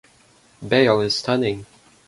Beyle is stunning.